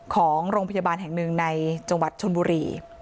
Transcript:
ของโรงพยาบาลแห่งหนึ่งในจังหวัดชนบุรี